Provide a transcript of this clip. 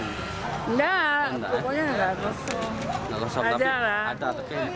gak kosong tapi ada